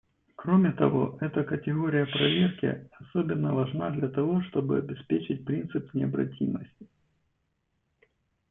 Кроме того, эта категория проверки особенно важна для того, чтобы обеспечить принцип необратимости.